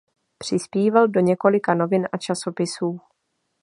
Přispíval do několika novin a časopisů.